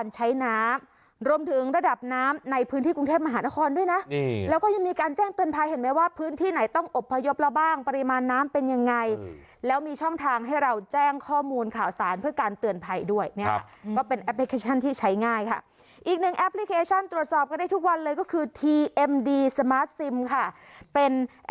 ใช้น้ำรวมถึงระดับน้ำในพื้นที่กรุงเทพมหานครด้วยนะแล้วก็ยังมีการแจ้งเตือนภัยเห็นไหมว่าพื้นที่ไหนต้องอบพยพเราบ้างปริมาณน้ำเป็นยังไงแล้วมีช่องทางให้เราแจ้งข้อมูลข่าวสารเพื่อการเตือนภัยด้วยเนี่ยค่ะก็เป็นแอปพลิเคชันที่ใช้ง่ายค่ะอีกหนึ่งแอปพลิเคชันตรวจสอบกันได้ทุกวันเลยก็คือทีเอ็มดีสมาร์ทซิมค่ะเป็น